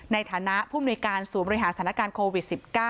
ในฐานะผู้มนุยการศูนย์บริหารสถานการณ์โควิด๑๙